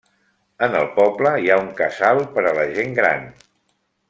En el poble hi ha un casal per a la gent gran.